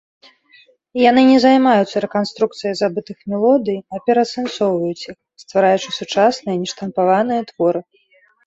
Яны не займаюцца рэканструкцыяй забытых мелодый, а пераасэнсоўваюць іх, ствараючы сучасныя, нештампаваныя творы.